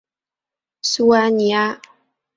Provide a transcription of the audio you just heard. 苏阿尼阿。